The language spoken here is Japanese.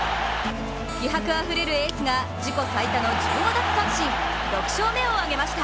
気迫あふれるエースが自己最多の１５奪三振、６勝目を挙げました。